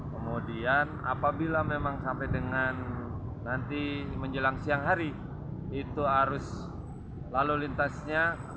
kemudian apabila memang sampai dengan nanti menjelang siang hari itu arus lalu lintasnya